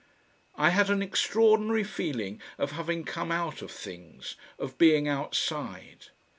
I had an extraordinary feeling of having come out of things, of being outside.